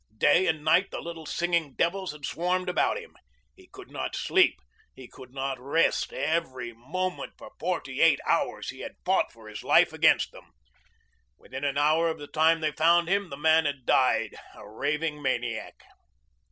Day and night the little singing devils had swarmed about him. He could not sleep. He could not rest. Every moment for forty eight hours he had fought for his life against them. Within an hour of the time they found him the man had died a raving maniac.